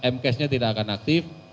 m cache nya tidak akan aktif